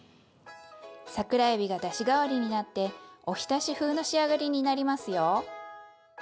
桜えびがだし代わりになっておひたし風の仕上がりになりますよ。